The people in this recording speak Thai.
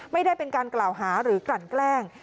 ไม่ได้เป็นการกล่าวหาหรือกลั่นแกล้ง